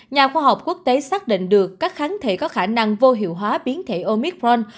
nhà khoa học quốc tế xác định được các kháng thể có khả năng vô hiệu hóa biến thể omicron